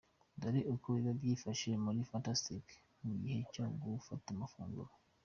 Dore uko biba byifashe muri Fantastic mu gihe cyo gufata amafunguro:.